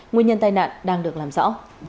nguyên nhân tai nạn đang được làm rõ